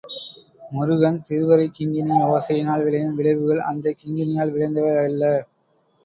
முருகன் திருவரைக் கிங்கிணி ஒசையினால் விளையும் விளைவுகள் அந்தக் கிங்கிணியால் விளைந்தவை அல்ல.